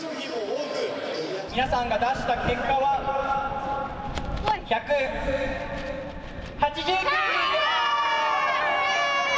皆さんが出した結果は、１８９人です。